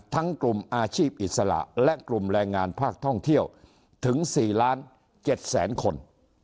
กลุ่มอาชีพอิสระและกลุ่มแรงงานภาคท่องเที่ยวถึง๔ล้าน๗แสนคน